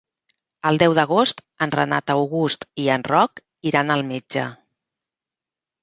El deu d'agost en Renat August i en Roc iran al metge.